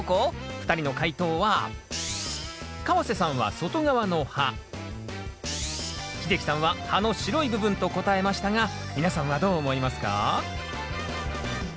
２人の解答は川瀬さんは外側の葉秀樹さんは葉の白い部分と答えましたが皆さんはどう思いますか？